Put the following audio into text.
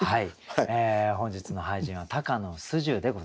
本日の俳人は高野素十でございました。